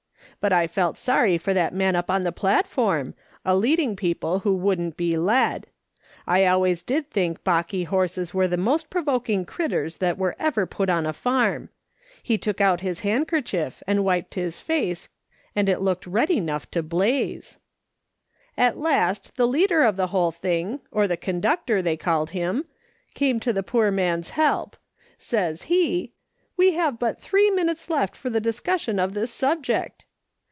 But I felt sorry for that man up on the platform, a leading people who wouldn't be led. I always did think balky horses were the most provoking critters that were ever put on a farm. He took out his handkerchief and wiped his face, and it looked red enough to blaze. " At last the leader of the whole thing, or the con SHE HAS TRIALS AND COMPENSATIONS. 29 ductor, they called him, came to the poor man's help. Says he :' We have but three minutes left for the discussion of this subject.'